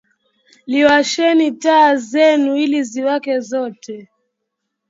Liwasheni taa zenu ili ziwake zote.